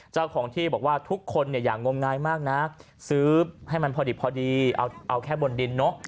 เจ้าของที่บอกว่าทุกคนเนี่ยอย่างงมงายมากนะซื้อให้มันพอดีเอาแค่บนดินเนอะ